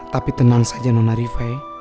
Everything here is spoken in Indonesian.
tapi tenang saja nona rifai